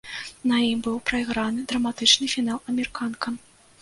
На ім быў прайграны драматычны фінал амерыканкам.